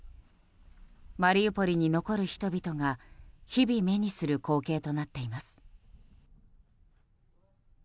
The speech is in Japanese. マリウポリに残る人々が日々、目にする光景となっています。